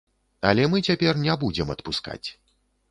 Але мы цяпер не будзем адпускаць.